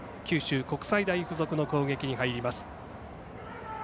九州国際大付属の攻撃に入ります。